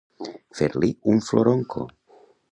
Fer-li un floronco.